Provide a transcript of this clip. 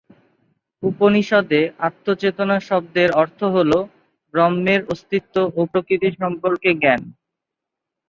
উপনিষদে আত্ম-চেতনা শব্দের অর্থ হল ব্রহ্মের অস্তিত্ব ও প্রকৃতি সম্পর্কে জ্ঞান।